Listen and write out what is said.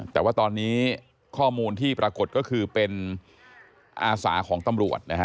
แต่ว่าตอนนี้ข้อมูลที่ปรากฏก็คือเป็นอาสาของตำรวจนะฮะ